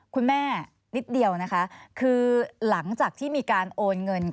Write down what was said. คุณแม่นิดเดียวนะคะคือหลังจากที่มีการโอนเงิน